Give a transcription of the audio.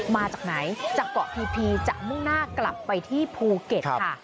มาจากไหนจากเกาะพีพีจะมุ่งหน้ากลับไปที่ภูเก็ตค่ะ